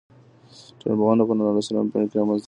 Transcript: ټولنپوهنه په نولسمه پېړۍ کي رامنځته سوه.